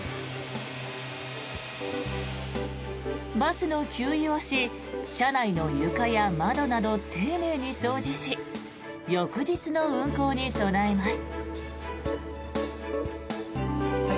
バスの給油をし車内の床や窓など丁寧に掃除し翌日の運行に備えます。